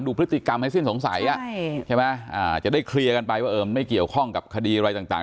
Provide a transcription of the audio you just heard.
พฤติกรรมให้สิ้นสงสัยใช่ไหมจะได้เคลียร์กันไปว่ามันไม่เกี่ยวข้องกับคดีอะไรต่าง